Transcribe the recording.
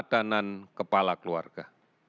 keteladanan kepala keluarga